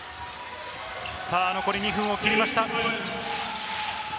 残り２分を切りました。